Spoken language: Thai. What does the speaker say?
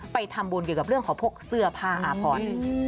ไปทำบุญเกี่ยวกับเรื่องของพวกเสื้อผ้าอาพร